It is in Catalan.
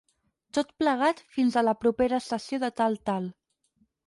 Tot plegat, fins a la propera sessió de tal-tal.